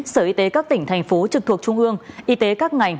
sở y tế các tỉnh thành phố trực thuộc trung ương y tế các ngành